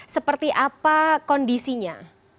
seperti apa kondisinya